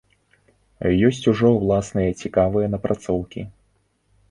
Ёсць ужо ўласныя цікавыя напрацоўкі.